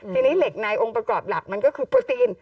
ทีนี้เหล็กในองค์ประกอบหลักมันก็คือโปรตีน